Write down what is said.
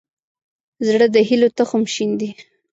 زړه د هيلو تخم شیندي.